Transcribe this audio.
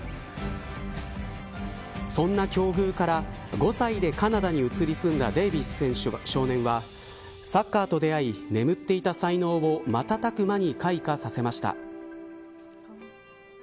そんな境遇から、５歳でカナダに移り住んだデイヴィス少年はサッカーと出会い眠っていた才能を瞬く間に開花させました。